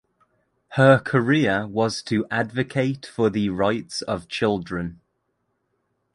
Her career was to advocate for the rights of children.